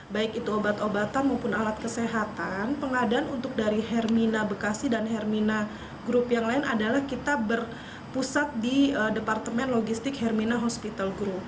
baik itu obat obatan maupun alat kesehatan pengadaan untuk dari hermina bekasi dan hermina group yang lain adalah kita berpusat di departemen logistik hermina hospital group